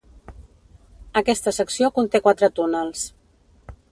Aquesta secció conté quatre túnels.